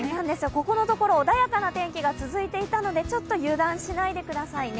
ここのところ、穏やかな天気が続いていたのでちょっと油断しないでくださいね。